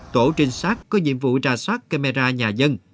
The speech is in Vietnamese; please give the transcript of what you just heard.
tổ trinh sát có nhiệm vụ trà sát camera nhà dân